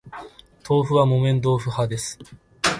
豆腐は絹豆腐派です